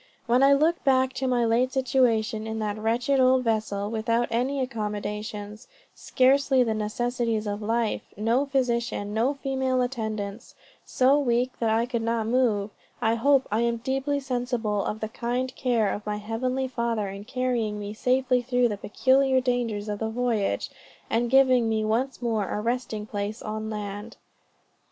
When I look back to my late situation in that wretched old vessel, without any accommodations scarcely the necessaries of life no physician no female attendants so weak that I could not move I hope I am deeply sensible of the kind care of my heavenly Father in carrying me safely through the peculiar dangers of the voyage, and giving me once more a resting place on land.